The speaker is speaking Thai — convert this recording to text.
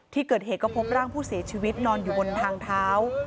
ที่เกิดเหตุก็พบร่างผู้เสียชีวิตนอนอยู่บนทางเท้า